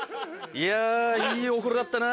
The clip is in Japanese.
いやいいお風呂だったな。